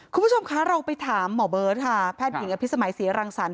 คุณผู้ชมคะเราไปถามหมอเบิร์ตค่ะแพทย์หญิงอภิษมัยศรีรังสรรค